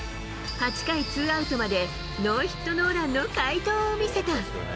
８回ツーアウトまでノーヒットノーランの快投を見せた。